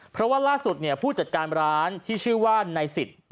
เพราะว่าล่าสุดผู้จัดการร้านที่ชื่อว่าในสิทธิ์